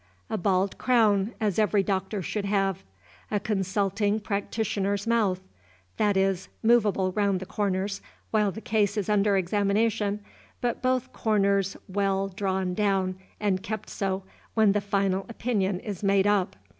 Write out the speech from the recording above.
A bald crown, as every doctor should have. A consulting practitioner's mouth; that is, movable round the corners while the case is under examination, but both corners well drawn down and kept so when the final opinion is made up.